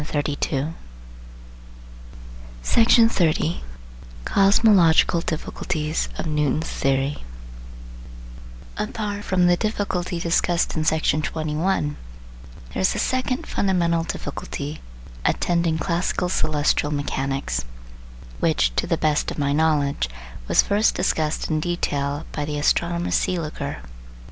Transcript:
p. 132) PART III CONSIDERATIONS ON THE UNIVERSE AS A WHOLE COSMOLOGICAL DIFFICULTIES OF NEWTON'S THEORY Part from the difficulty discussed in Section 21, there is a second fundamental difficulty attending classical celestial mechanics, which, to the best of my knowledge, was first discussed in detail by the astronomer Seeliger.